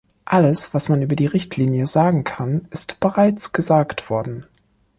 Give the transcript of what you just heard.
Alles, was man über die Richtlinie sagen kann, ist bereits gesagt worden.